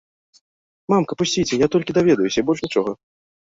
Мамка, пусціце, я толькі даведаюся, і больш нічога!